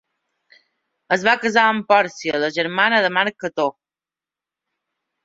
Es va casar amb Pòrcia la germana de Marc Cató.